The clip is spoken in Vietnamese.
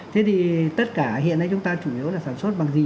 thế thì tất cả hiện nay chúng ta chủ yếu là sản xuất bằng gì